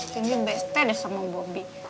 sindi beset deh sama bobi